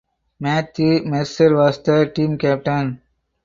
Matthew Mercer was the team captain.